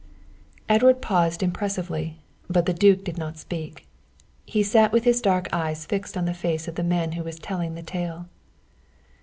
Edward paused impressively, but the duke did not speak. He sat with his dark eyes fixed on the face of the man who was telling the tale.